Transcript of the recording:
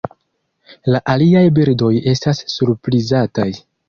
La aliaj birdoj estas surprizataj.